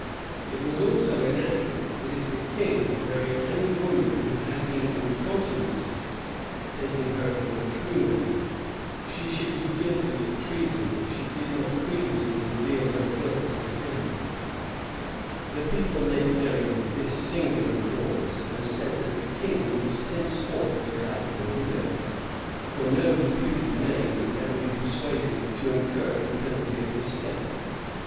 It was also enacted, that if the king married any woman who had been incontinent, taking her for a true maid, she should be guilty of treason, if she did not previously reveal her guilt to him. The people made merry with this singular clause, and said that the king must henceforth look out for a widow; for no reputed maid would ever be persuaded to incur the penalty of the statute.